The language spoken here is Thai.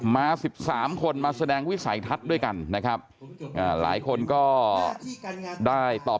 มา๑๓คนมาแสดงวิสัยทัศน์ด้วยกันนะครับหลายคนก็ได้ตอบ